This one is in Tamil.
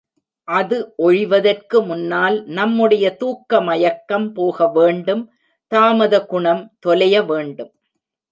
அது ஒழிவதற்கு முன்னால் நம்முடைய தூக்க மயக்கம் போக வேண்டும் தாமத குணம் தொலைய வேண்டும்.